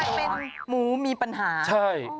เป็นหมูมีปัญหาใช่